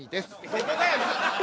どこがやねん！